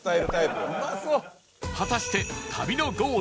果たして旅のゴール